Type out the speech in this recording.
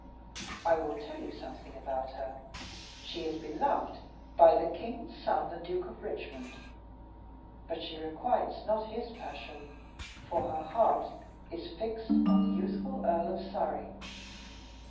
I will tell you something about her. She is beloved by the king's son, the Duke of Richmond, but she requites not his passion, for her heart is fixed on the youthful Earl of Surrey.